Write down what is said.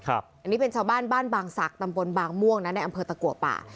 อันนี้เป็นชาวบ้านบ้านบางสักตำบลบางม่วงนะเกาะป่า